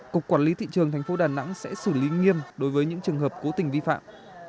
cục quản lý thị trường tp đà nẵng sẽ xử lý nghiêm đối với những trường hợp cố tình vi phạm